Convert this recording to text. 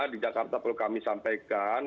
di jakarta perlu kami sampaikan